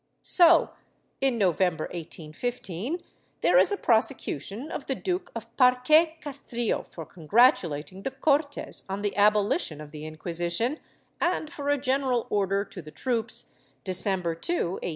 So, in November, 1815, there is a prosecution of the Duke of Par que Castrillo for congratulating the Cortes on the abolition of the Inquisition and for a general order to the troops, December 2, 1812.